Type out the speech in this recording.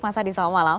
mas adi selamat malam